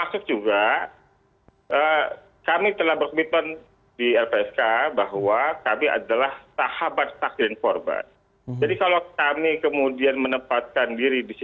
salah satunya adalah kekerasan seksual terhadap perempuan dan anak